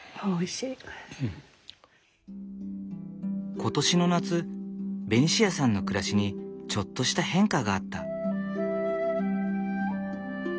今年の夏ベニシアさんの暮らしにちょっとした変化があった。